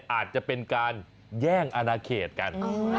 อาจจะเป็นการแย่งอนาเขตกัน